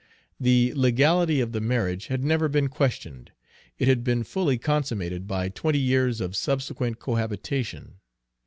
The legality of the marriage had never been questioned. It had been fully consummated by twenty years of subsequent cohabitation.